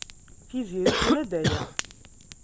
Tiziri tenna-d aya.